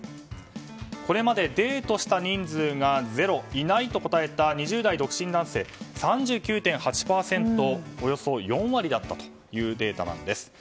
これまでデートした人数が０いないと答えた２０代独身男性は３９．８％とおよそ４割だったというデータなんです。